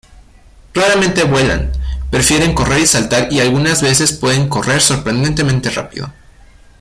Raramente vuelan, prefieren correr y saltar y algunas veces pueden correr sorprendentemente rápido.